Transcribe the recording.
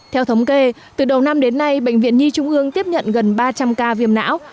theo thống kê từ đầu năm đến nay bệnh viện nhi trung ương tiếp nhận gần ba trăm linh ca viêm não